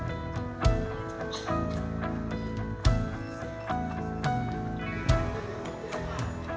sebagai penjualan airly memiliki kekuatan yang sangat besar